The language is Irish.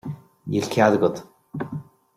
Níl cead agat.